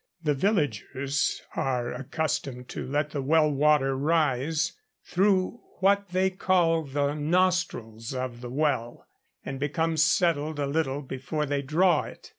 The villagers are accustomed to let the well water rise through what they call the 'nostrils of the well,' and become settled a little before they draw it.